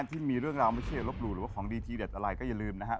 ที่มีเรื่องราวไม่ใช่อย่าลบหลู่หรือว่าของดีทีเด็ดอะไรก็อย่าลืมนะฮะ